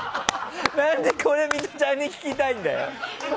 何でこれミトちゃんに聞きたいんだよ！